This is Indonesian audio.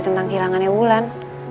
tentang kehilangannya ulan